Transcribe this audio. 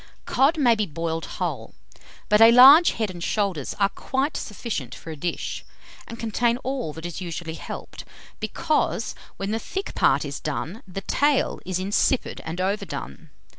231. Cod may be boiled whole; but a large head and shoulders are quite sufficient for a dish, and contain all that is usually helped, because, when the thick part is done, the tail is insipid and overdone.